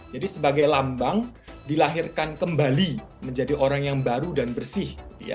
jadi sebagai lambang dilahirkan kembali menjadi orang yang baru dan bersih